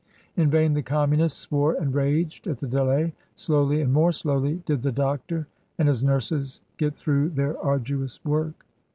In vain the Communists swore and raged at the delay; slowly, and more slowly, did the doctor and his nurses get through their arduous work.